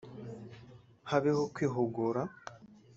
habeho kwihugura